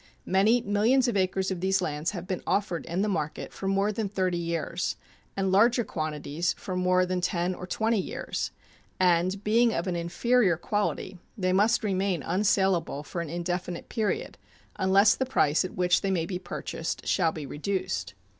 Many millions of acres of these lands have been offered in the market for more than thirty years and larger quantities for more than ten or twenty years, and, being of an inferior quality, they must remain unsalable for an indefinite period unless the price at which they may be purchased shall be reduced.